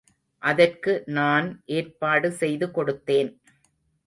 அதற்கு நான் ஏற்பாடு செய்து கொடுத்தேன்.